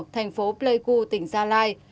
thành phố pleiku tỉnh gia lai